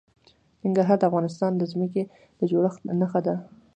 ننګرهار د افغانستان د ځمکې د جوړښت نښه ده.